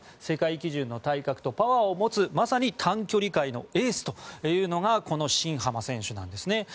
世界基準の体格とパワーを持つ、まさに短距離界のエースというのがこの新濱選手です。